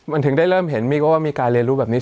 มันถึงได้เริ่มเห็นมีก็ว่ามีการเรียนรู้แบบนี้